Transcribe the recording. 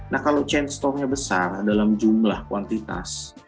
nah kalau chain store nya besar dalam jumlah kuantitas